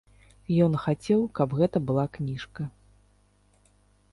Ён хацеў, каб гэта была кніжка.